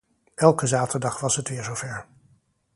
Elke zaterdag was het weer zover.